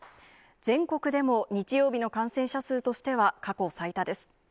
全国でも日曜日の感染者数としては過去最多です。